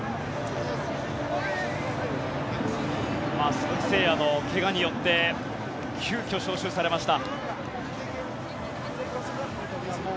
鈴木誠也の怪我によって急きょ、招集されました。